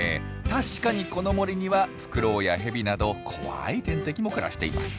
確かにこの森にはフクロウやヘビなど怖い天敵も暮らしています。